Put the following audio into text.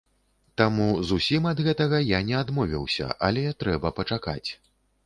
Таму зусім ад гэтага я не адмовіўся, але трэба пачакаць.